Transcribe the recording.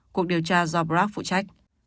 cuộc điều tra do barack phụ trách